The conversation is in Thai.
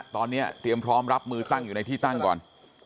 ตอนนี้เตรียมพร้อมรับมือตั้งอยู่ในที่ตั้งก่อน